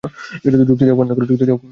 যুক্তি দেয়া বন্ধ কর।